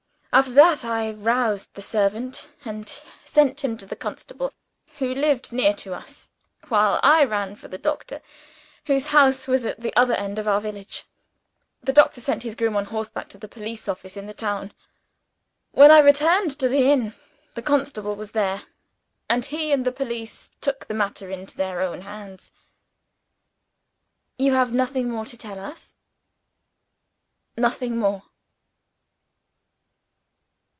After that I roused the servant, and sent him to the constable who lived near to us while I ran for the doctor, whose house was at the other end of our village. The doctor sent his groom, on horseback, to the police office in the town. When I returned to the inn, the constable was there and he and the police took the matter into their own hands." "You have nothing more to tell us?" "Nothing more."